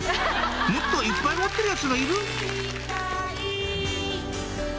「もっといっぱい持ってるヤツがいる」